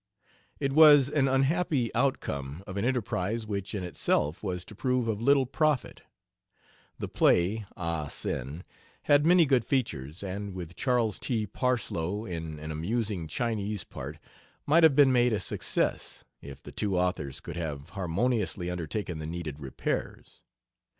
It was an unhappy outcome of an enterprise which in itself was to prove of little profit. The play, "Ah Sin," had many good features, and with Charles T. Parsloe in an amusing Chinese part might have been made a success, if the two authors could have harmoniously undertaken the needed repairs.